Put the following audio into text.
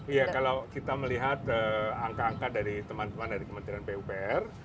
iya kalau kita melihat angka angka dari teman teman dari kementerian pupr